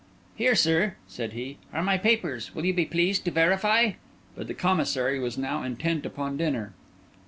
"Here, sir," said he, "are my papers. Will you be pleased to verify?" But the Commissary was now intent upon dinner.